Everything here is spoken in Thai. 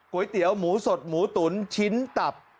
เตี๋ยวหมูสดหมูตุ๋นชิ้นตับ